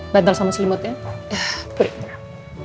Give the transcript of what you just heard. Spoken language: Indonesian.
bantul sama selimutnya